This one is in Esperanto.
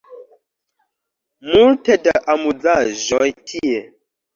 Multe da amuzaĵoj tie